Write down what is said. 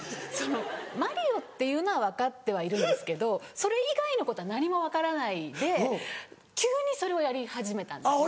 『マリオ』っていうのは分かってはいるんですけどそれ以外のことは何も分からないで急にそれをやり始めたんですね。